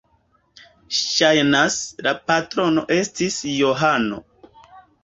Ŝajnas, la patrono estis Johano.